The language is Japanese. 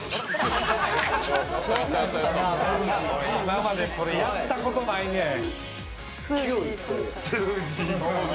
今までそれやったことないねん。